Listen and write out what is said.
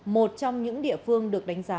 một trong những địa phương được đánh giá